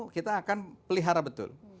kita akan pelihara betul